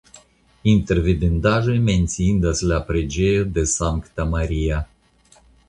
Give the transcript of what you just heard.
Inter vidindaĵoj menciindas la preĝejo de Sankta Maria.